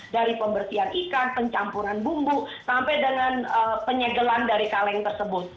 dari pembersihan ikan pencampuran bumbu sampai dengan penyegelan dari kaleng tersebut